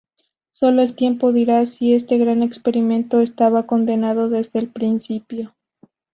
Solo el tiempo dirá si este "gran experimento" estaba condenado desde el principio.